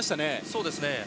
そうですね。